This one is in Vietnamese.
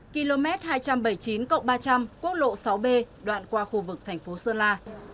km hai trăm bảy mươi chín ba trăm linh quốc lộ sáu b đoạn qua khu vực thành phố sơn la